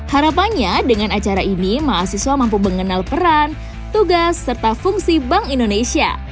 harapannya dengan acara ini mahasiswa mampu mengenal peran tugas serta fungsi bank indonesia